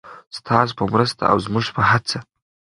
ستاسو په مرسته او زموږ په هڅه.